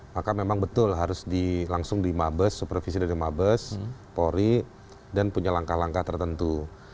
maka memang betul harus langsung di mabes supervisi dari mabes polri dan punya langkah langkah tertentu